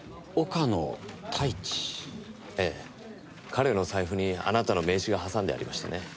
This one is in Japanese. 彼の財布にあなたの名刺が挟んでありましてね。